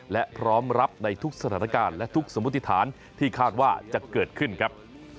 และพร้อมรับในทุกสถานการณ์และทุกสมมติฐานที่คาดว่าจะเกิดขึ้นครับ